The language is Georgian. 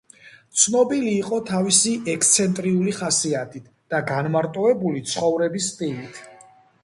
ცნობილი იყო თავისი ექსცენტრიული ხასიათით და განმარტოებული ცხოვრების სტილით.